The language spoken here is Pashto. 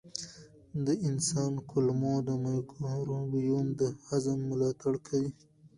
د انسان کولمو مایکروبیوم د هضم ملاتړ کوي.